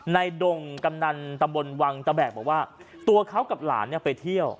ดงกำนันตำบลวังตะแบกบอกว่าตัวเขากับหลานเนี่ยไปเที่ยว